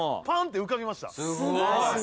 パンって浮かびました。